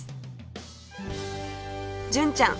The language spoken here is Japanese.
純ちゃん